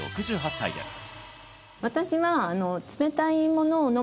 ６８歳です